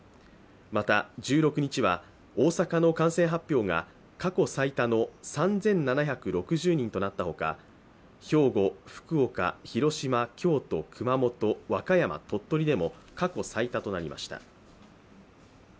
また１６日は、大阪の感染発表が過去最多の３７６０人となったほか、兵庫、福岡、広島、京都、熊本、和歌山、鳥取でも過去最多となりました。